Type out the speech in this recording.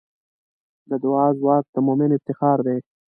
د دعا ځواک د مؤمن افتخار دی.